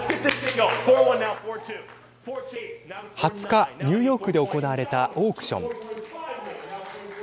２０日、ニューヨークで行われたオークション。